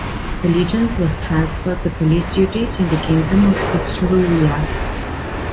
The Legions was transferred to police duties in the Kingdom of Etruria.